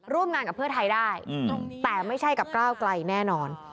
ร่วมงานกับเพื่อไทยได้แต่ไม่ใช่กับก้าวไกลแน่นอน